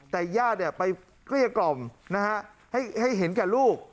แต่ญาติไปเกลี้ยกล่อมนะฮะให้เห็นแก่ลูก